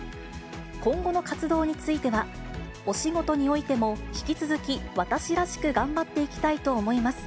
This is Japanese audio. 今後の活動については、お仕事においても、引き続き私らしく頑張っていきたいと思います。